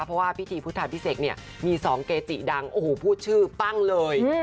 เพราะว่าพิธีพุทธาพิเศษเนี่ยมี๒เกจิดังโอ้โหพูดชื่อปั้งเลย